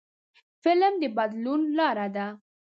فلم د بدلون لاره ده